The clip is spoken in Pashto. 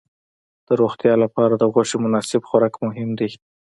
د روغتیا لپاره د غوښې مناسب خوراک مهم دی.